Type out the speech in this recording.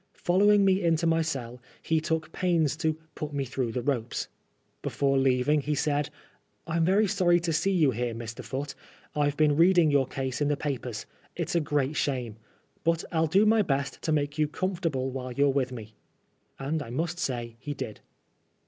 Following me into my cell, he took pains to '* put me through the ropes." Before leaving he said, " I'm very sorry to see you here, Mr. Foote. I've been reading your case in the papers. It's a great shame. But I'll do my best to make you comfortable while you're with me." And I must say he did.